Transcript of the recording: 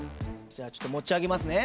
じゃあちょっと持ち上げますね。